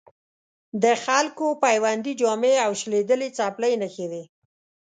د خلکو بیوندي جامې او شلېدلې څپلۍ نښې وې.